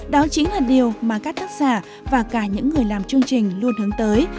đó chính là điều mà các tác giả và cả những người làm chương trình luôn hướng tới